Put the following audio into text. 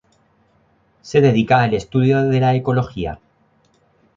Se dedica al estudio de la ecología.